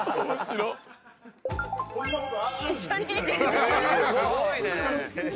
すごいね。